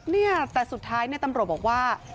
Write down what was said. เนี่ยแต่สุดท้ายตำรวจบอกว่า